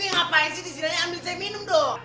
ngapain sih di sini aja ambil cek minum dong